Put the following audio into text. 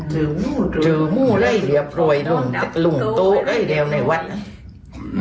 สื่อมูลสื่อมูลไล่เรียบร้อยลุงลุงโต๊ะไล่เดียวในวัดน่ะ